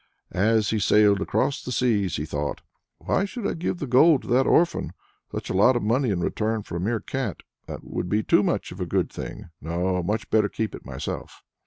As he sailed across the seas, he thought: "Why should I give the gold to that orphan? Such a lot of money in return for a mere cat! that would be too much of a good thing. No, much better keep it myself."